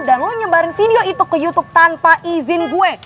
dan lu nyebarin video itu ke youtube tanpa izin gue